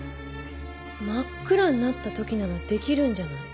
真っ暗になったときならできるんじゃない？